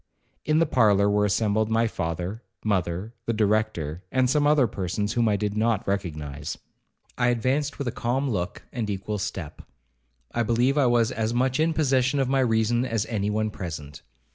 In the parlour were assembled my father, mother, the Director, and some other persons whom I did not recognize. I advanced with a calm look, and equal step. I believe I was as much in possession of my reason as any one present.